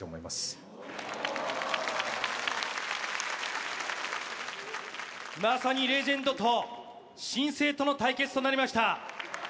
まさにレジェンドと新星との対決となりました